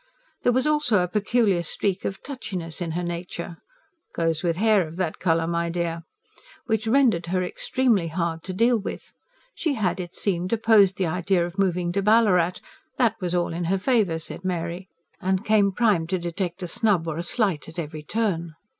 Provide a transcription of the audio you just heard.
There was also a peculiar streak of touchiness in her nature ("Goes with hair of that colour, my dear!") which rendered her extremely hard to deal with. She had, it seemed, opposed the idea of moving to Ballarat that was all in her favour, said Mary and came primed to detect a snub or a slight at every turn.